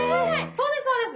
そうですそうです。